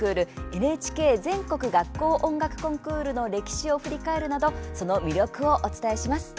ＮＨＫ全国学校音楽コンクールの歴史を振り返るなどその魅力をお伝えします。